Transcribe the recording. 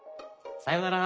さようなら！